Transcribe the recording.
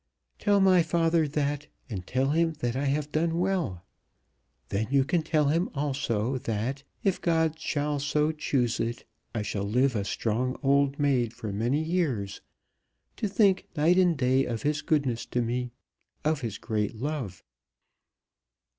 Tell my father that, and tell him that I have done well. Then you can tell him also, that, if God shall so choose it, I shall live a strong old maid for many years, to think night and day of his goodness to me, of his great love."